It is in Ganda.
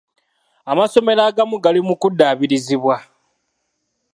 Amasomero agamu gali mu kuddaabirizibwa.